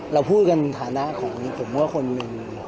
เราพูดกันฐานะของผมว่าคนหนึ่ง